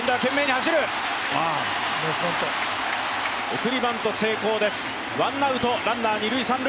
送りバント成功です、ワンアウト、ランナー二・三塁。